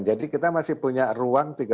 jadi kita masih punya ruang